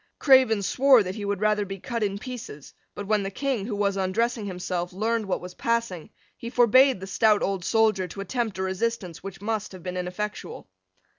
Craven swore that he would rather be cut in pieces: but, when the King, who was undressing himself, learned what was passing, he forbade the stout old soldier to attempt a resistance which must have been ineffectual.